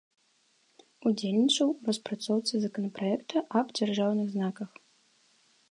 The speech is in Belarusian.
Удзельнічаў у распрацоўцы законапраекта аб дзяржаўных знаках.